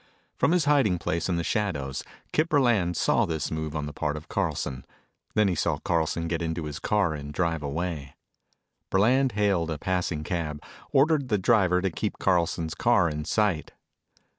From his hiding place in the shadows, Kip Burland saw this move on the part of Carlson. He then saw Carlson get into his car and drive away. Burland hailed a passing cab, ordered the driver to keep Carlson's car in sight.